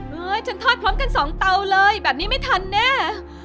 ฉันทอดพร้อมกัน๒เตาเลยแบบนี้ไม่ทันแน่